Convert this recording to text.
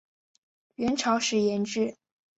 元朝时沿置。